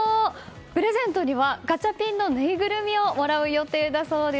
プレゼントにはガチャピンのぬいぐるみをもらう予定だそうです。